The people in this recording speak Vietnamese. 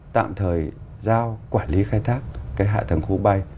tạm thời giao quản lý khai thác cái hạ tầng khu bay